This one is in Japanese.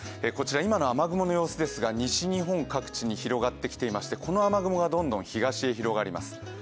こちら今の雨雲の様子ですが西日本各地に広がってきていましてこの雨雲がどんどん東へ広がります。